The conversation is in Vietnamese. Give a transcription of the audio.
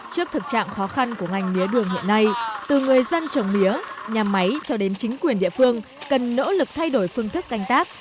trước thực trạng khó khăn của ngành mía đường hiện nay từ người dân trồng mía nhà máy cho đến chính quyền địa phương cần nỗ lực thay đổi phương thức canh tác